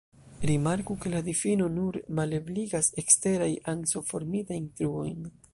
Rimarku ke la difino nur malebligas eksteraj anso-formitajn truoj.